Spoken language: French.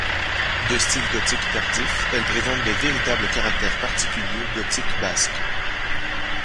De style gothique tardif, elle présente de véritables caractères particuliers gothique basque.